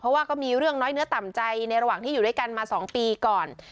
เพราะว่าก็มีเรื่องน้อยเนื้อต่ำใจในระหว่างที่อยู่ด้วยกันมา๒ปีก่อน